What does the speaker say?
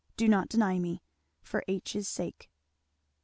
Do not deny me, for H 's sake!"